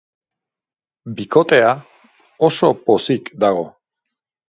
Bikotea oso pozik dago.